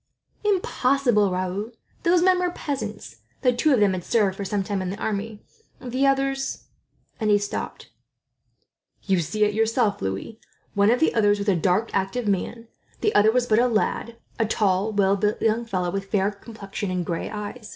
"Impossible, Raoul! Those men were peasants, though two of them had served for a time in the army; the others " and he stopped. "You see it yourself, Louis. One of the others was a dark, active man. The other was but a lad a tall, well built young fellow, with fair complexion and gray eyes.